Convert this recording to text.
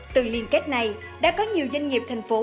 từ liên kết này đã có nhiều doanh nghiệp thành phố